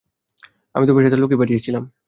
আমি তো পেশাদার লোকই পাঠিয়েছিলাম।